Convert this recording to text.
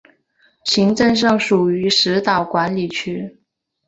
行政上属于石岛管理区。